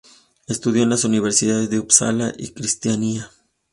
Estudió en las universidades de Upsala y Cristianía.